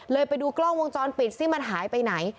ไปดูกล้องวงจรปิดซิมันหายไปไหน